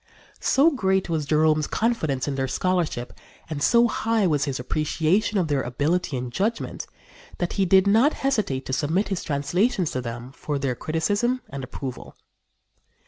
So great was Jerome's confidence in their scholarship and so high was his appreciation of their ability and judgment that he did not hesitate to submit his translations to them for their criticism and approval.